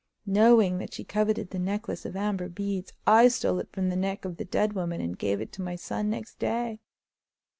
Knowing that she coveted the necklace of amber beads, I stole it from the neck of the dead woman and gave it to my son next day.